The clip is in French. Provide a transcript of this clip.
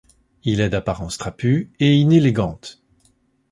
Il est d'apparence trapue et inélégante.